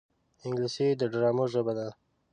انګلیسي د ډرامو ژبه ده